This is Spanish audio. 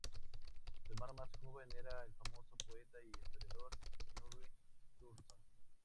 Su hermano más joven, era el famoso poeta e historiador Snorri Sturluson.